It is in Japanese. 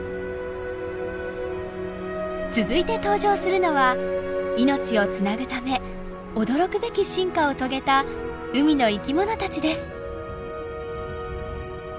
続いて登場するのは命をつなぐため驚くべき進化を遂げた海の生きものたちです。